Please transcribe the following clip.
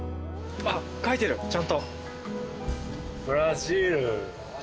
書いてるちゃんと。